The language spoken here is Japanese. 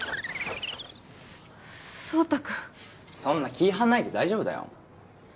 奏汰君そんな気張んないで大丈夫だよ